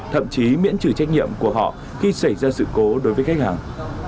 thậm chí miễn trừ trách nhiệm của họ khi xảy ra sự cố đối với khách hàng